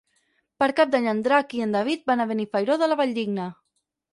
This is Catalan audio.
Per Cap d'Any en Drac i en David van a Benifairó de la Valldigna.